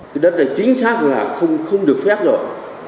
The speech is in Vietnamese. cái đất này chính xác là không được phép rồi